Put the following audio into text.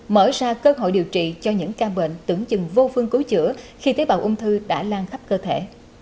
mở ra cơ hội điều trị cho những ca bệnh tưởng chừng vô phương cứu chữa khi tế bào ung thư đã lan khắp cơ thể